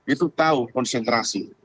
itu tahu konsentrasi